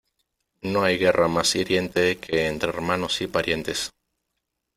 No hay guerra más hiriente que entre hermanos y parientes.